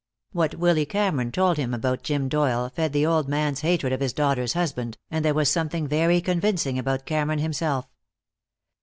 What Willy Cameron told about Jim Doyle fed the old man's hatred of his daughter's husband, and there was something very convincing about Cameron himself.